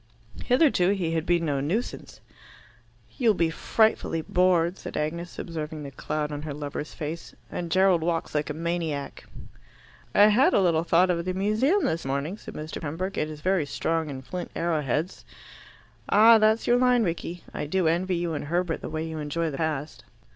Hitherto he had been no nuisance. "You will be frightfully bored," said Agnes, observing the cloud on her lover's face. "And Gerald walks like a maniac." "I had a little thought of the Museum this morning," said Mr. Pembroke. "It is very strong in flint arrow heads." "Ah, that's your line, Rickie. I do envy you and Herbert the way you enjoy the past."